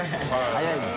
早いね。